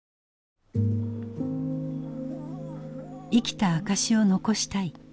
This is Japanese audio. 「生きた証しを残したい」。